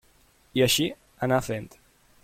I així anar fent.